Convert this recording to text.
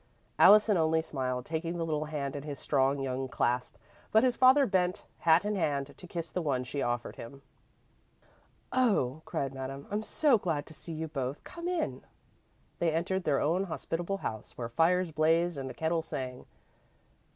Allison only smiled, taking the little hand in his strong young clasp, but his father bent, hat in hand, to kiss the one she offered him. "Oh," cried Madame, "I'm so glad to see you both. Come in!" They entered their own hospitable house, where fires blazed and the kettle sang.